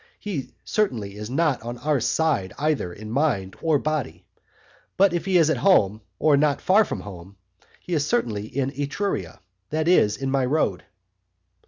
He certainly is not on our side either in mind or body. But if he is at home, or not far from home, he is certainly in Etruria, that is, in my road.